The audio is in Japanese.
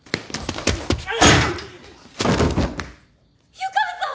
湯川さん！